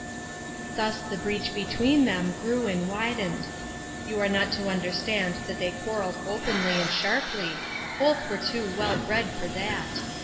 Thus the breach between them grew and widened. You are not to understand that they quarreled openly and sharply ; both were too well bred for that.